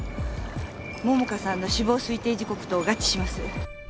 桃花さんの死亡推定時刻と合致します。